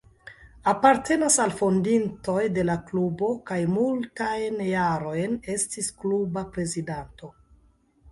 Apartenas al fondintoj de la klubo kaj multajn jarojn estis kluba prezidanto.